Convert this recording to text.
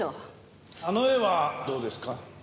あの絵はどうですか？